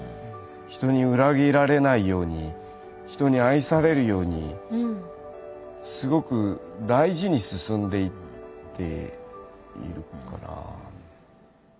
人に裏切られないように人に愛されるようにすごく大事に進んでいっているから。